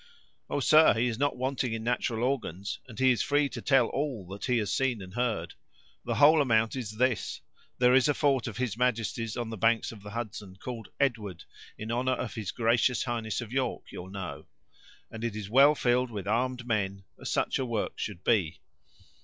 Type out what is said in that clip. "Oh! sir, he is not wanting in natural organs, and he is free to tell all that he has seen and heard. The whole amount is this; there is a fort of his majesty's on the banks of the Hudson, called Edward, in honor of his gracious highness of York, you'll know; and it is well filled with armed men, as such a work should be."